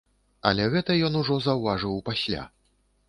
Але гэта ён ужо заўважыў пасля.